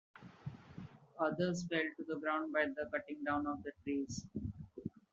Others fell to the ground by the cutting down of the trees.